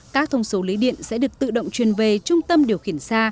các thông số lý điện sẽ được tự động truyền về trung tâm điều khiển xa